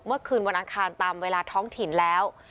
เมื่อคืนวันอังคารตามเวลาท้องถิ่นแล้ว